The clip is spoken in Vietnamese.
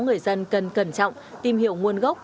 người dân cần cẩn trọng tìm hiểu nguồn gốc